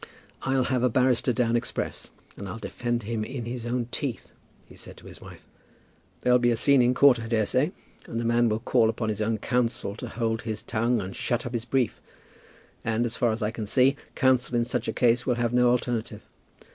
"I'll have a barrister down express, and I'll defend him in his own teeth," he said to his wife. "There'll be a scene in court, I daresay, and the man will call upon his own counsel to hold his tongue and shut up his brief; and, as far as I can see, counsel in such a case would have no alternative.